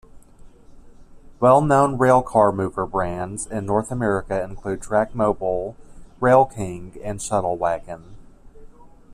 Well-known railcar mover brands in North America include Trackmobile, Rail King and Shuttlewagon.